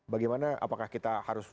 bagaimana apakah kita harus